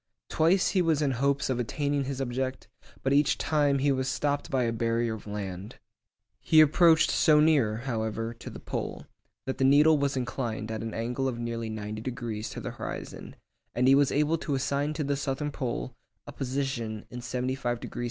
Twice he was in hopes of attaining his object, but each time he was stopped by a barrier of land. He approached so near, however, to the pole, that the needle was inclined at an angle of nearly ninety degrees to the horizon, and he was able to assign to the southern pole a position in 75° S.